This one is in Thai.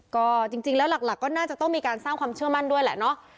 ก็จริงแล้วหลักก็น่าจะต้องมีการสร้างความเชื่อมั่นด้วยแหละเนาะ